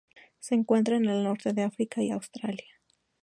Se encuentra en el Norte de África y Australia.